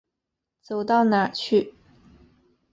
走到哪儿去。